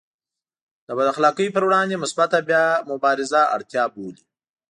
د بد اخلاقیو پر وړاندې مثبته مبارزه اړتیا بولي.